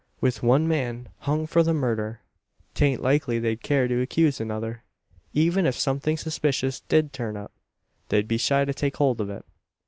With one man hung for the murder, 'tain't likely they'd care to accuse another. Even if something suspicious did turn up! they'd be shy to take hold of it.